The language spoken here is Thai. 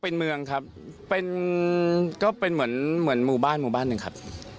เป็นเมืองครับเป็นก็เป็นเหมือนเหมือนหมู่บ้านหมู่บ้านหนึ่งครับ